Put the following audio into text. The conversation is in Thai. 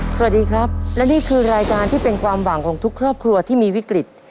สวัสดีครับและนี่คือรายการที่เป็นความหวังของทุกครอบครัวที่มีวิกฤต